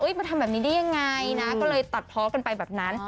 เอ้ยมาทำแบบนี้ได้ยังไงน่ะก็เลยตัดไปแบบนั้น